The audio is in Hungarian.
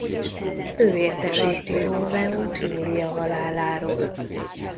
Ő értesíti Rómeót Júlia haláláról.